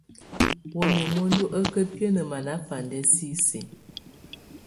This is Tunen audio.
Wamɛ̀á muǝndu á ká biǝ́nǝ manafandɛ sisi.